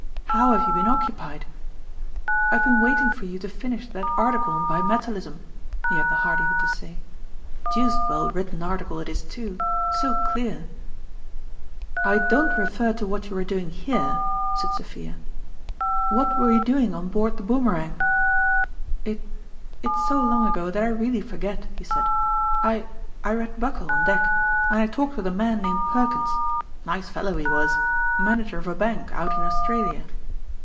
How have you been occupied ?"" I've been waiting for you to finish that article on bi metalism," he had the hardihood to say. " Deuced well written article it is, too ; BO clear !"" I don't refer to what you were doing here," said Sophia. " What were you doing on board the Boomerang f "" It it's so long ago that I really forget," he said. " I I read Buckle on deck, and I talked with a man named Perkins nice fellow he was manager of a bank out in Australia."